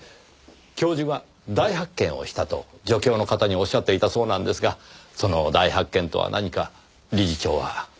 教授は大発見をしたと助教の方におっしゃっていたそうなんですがその大発見とは何か理事長はご存じでしょうか？